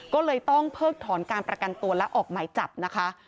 ก็เลยต้องเพิกถอนการประกันตัวและออกหมายจับนะคะ